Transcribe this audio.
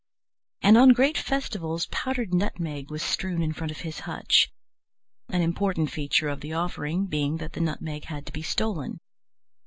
And on great festivals powdered nutmeg was strewn in front of his hutch, an important feature of the offering being that the nutmeg had to be stolen.